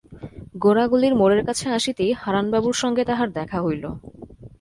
গোরা গলির মোড়ের কাছে আসিতেই হারানবাবুর সঙ্গে তাহার দেখা হইল।